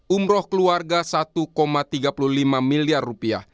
umroh keluarga satu tiga puluh lima miliar rupiah